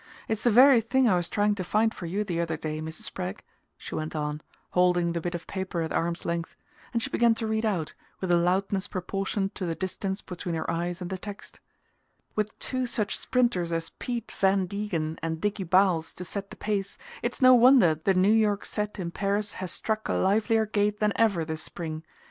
It's the very thing I was trying to find for you the other day, Mrs. Spragg," she went on, holding the bit of paper at arm's length; and she began to read out, with a loudness proportioned to the distance between her eyes and the text: "With two such sprinters as 'Pete' Van Degen and Dicky Bowles to set the pace, it's no wonder the New York set in Paris has struck a livelier gait than ever this spring.